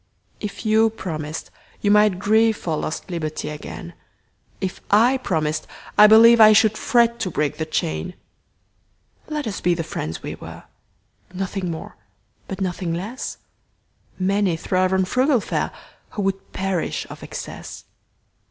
If you promised, you might grieveFor lost liberty again:If I promised, I believeI should fret to break the chain. Let us be the friends we were, Nothing more but nothing less:Many thrive on frugal fareWho would perish of excess.